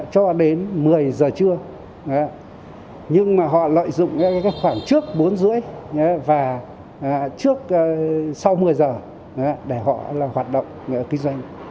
cho đến một mươi h trưa nhưng mà họ lợi dụng khoảng trước bốn h ba mươi và trước sau một mươi h để họ hoạt động kinh doanh